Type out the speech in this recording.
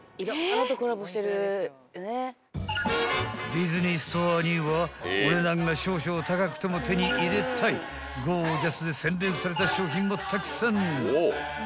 ［ディズニーストアにはお値段が少々高くても手に入れたいゴージャスで洗練された商品もたくさん］